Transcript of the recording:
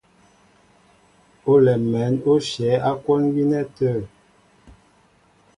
Olɛm mɛ̌n ó shyɛ̌ á kwón gínɛ́ tə̂.